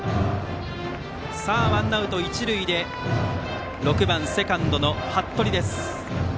ワンアウト、一塁で６番セカンドの八鳥です。